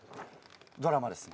ドラマです。